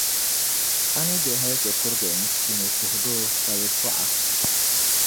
a ni be hal ti kurigi n-kpi ni suhudoo, ka bɛ sɔɣ’ a.